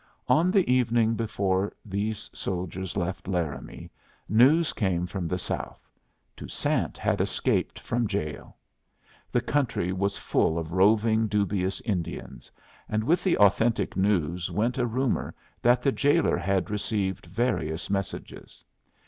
On the evening before these soldiers left Laramie, news came from the south. Toussaint had escaped from jail. The country was full of roving, dubious Indians, and with the authentic news went a rumor that the jailer had received various messages.